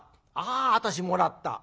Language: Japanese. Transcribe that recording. あ私もらった。